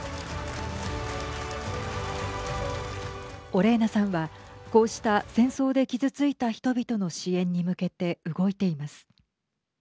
オレーナさんはこうした戦争で傷ついた人々の支援に向けて動いています。